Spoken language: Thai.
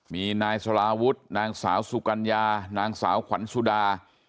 มีนายสลาวุฒินางสาวสุกัญญานางสาวขวัญสุดา